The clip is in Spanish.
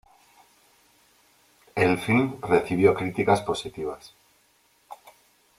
El film recibió críticas positivas.